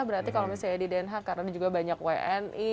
nah berarti kalau misalnya di den haag karena juga banyak wni